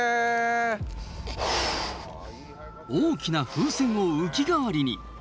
大きな風船をウキ代わりに。